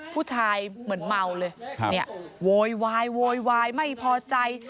ผู้ชายเหมือนเมาเลยเนี่ยโวยวายโวยวายไม่พอใจ